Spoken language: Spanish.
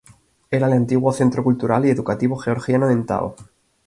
Era el antiguo centro cultural y educativo georgiano en Tao.